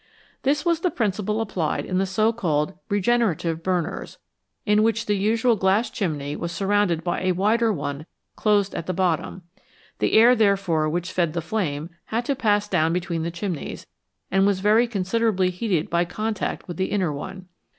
This was the principle applied in the so called " regenerative " burners, in which the usual glass chimney was surrounded by a wider one closed at the bottom ; the air, therefore, which fed the flame had to pass down between the chimneys, and was very con siderably heated by contact with the inner one.